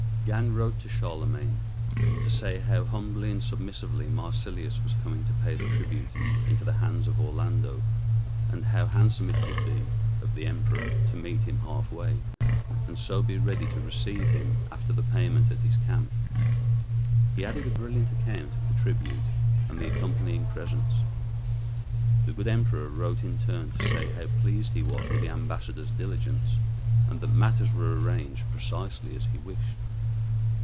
Gan wrote to Charlemagne to say how humbly and submissively Marsilius was coming to pay the tribute into the hands of Orlando, and how handsome it would be of the Emperor to meet him half way, and so be ready to receive him after the payment at his camp. He added a brilliant account of the tribute, and the accompanying presents. The good Emperor wrote in turn to say how pleased he was with the ambassador's diligence, and that matters were arranged precisely as he wished.